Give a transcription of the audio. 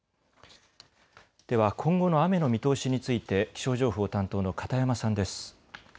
では今後の雨の見通しについて気象情報担当の片山さんです。